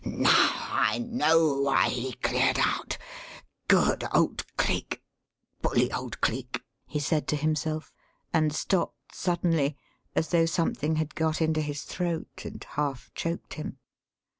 "Now I know why he cleared out! Good old Cleek! Bully old Cleek!" he said to himself; and stopped suddenly, as though something had got into his throat and half choked him.